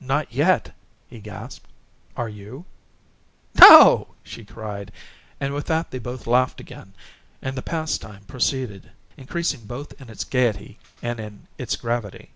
"Not yet," he gasped. "Are you?" "NO!" she cried, and with that they both laughed again; and the pastime proceeded, increasing both in its gaiety and in its gravity.